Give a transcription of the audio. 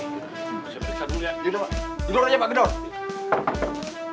yaudah pak jalan aja pak gedor